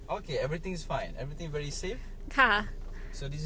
โอเคทุกอย่างโอเคทุกอย่างโอเค